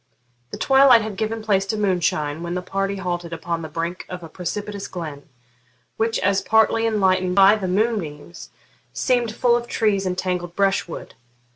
The twilight had given place to moonshine when the party halted upon the brink of a precipitous glen, which, as partly enlightened by the moonbeams, seemed full of trees and tangled brushwood.